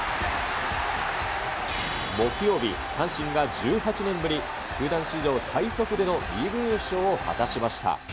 木曜日、阪神が１８年ぶり球団史上最速でのリーグ優勝を果たしました。